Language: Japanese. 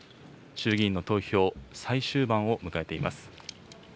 衆議院の投票、最終盤を迎えています。